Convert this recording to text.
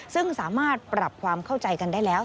ซึ่งสามารถปรับความเข้าใจกันได้แล้ว